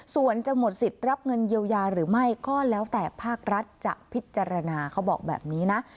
ส่วนจะหมดสิทธิ์รับเงินเยียวยาหรือไม่ก็แล้วแต่ภาครัฐจะพิจารณาเขาบอกแบบนี้นะ